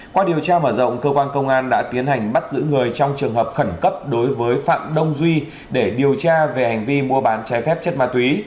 qua điều tra mở rộng cơ quan công an đã tiến hành bắt giữ người trong trường hợp khẩn cấp đối với phạm đông duy để điều tra về hành vi mua bán trái phép chất ma túy